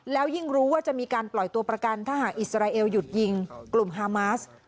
แล้วยิ่งรู้ว่าจะมีการปล่อยตัวประกันถ้าหากอิสราเอลหยุดยิงกลุ่มฮามาส